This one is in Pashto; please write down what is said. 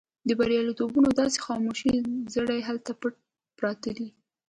د برياليتوبونو داسې خاموش زړي هلته پټ پراته دي.